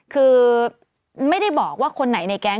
คือไม่ได้บอกว่าคนไหนในแก๊ง